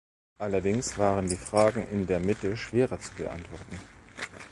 Allerdings waren die Fragen in der Mitte schwerer zu beantworten.